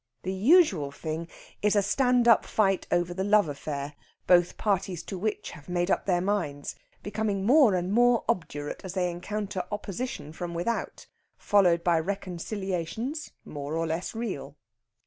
The usual thing is a stand up fight over the love affair, both parties to which have made up their minds becoming more and more obdurate as they encounter opposition from without followed by reconciliations more or less real.